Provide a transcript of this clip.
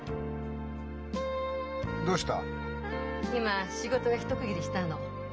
今仕事が一区切りしたの。